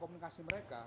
yang akan terjadi saatnya